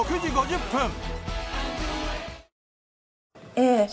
ええ。